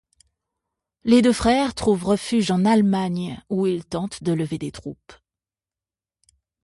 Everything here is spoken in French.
Les deux frères trouvent refuge en Allemagne où ils tentent de lever des troupes.